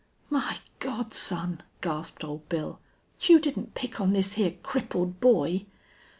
"My Gawd, son!" gasped Old Bill. "You didn't pick on this hyar crippled boy?"